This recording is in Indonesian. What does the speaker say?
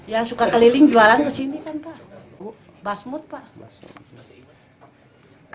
yang suka keliling jualan kesini kan pak basmut pak